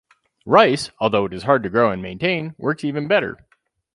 Rice, although it is hard to grow and maintain, works even better.